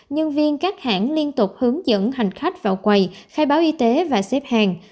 nhân viên các hãng liên tục hướng dẫn hành khách vào quầy khai báo y tế và xếp hàng